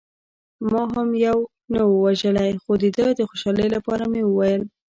ما یو هم نه و وژلی، خو د ده د خوشحالۍ لپاره مې وویل.